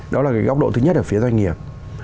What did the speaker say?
đó là cái góc độ thứ nhất ở phía doanh nghiệp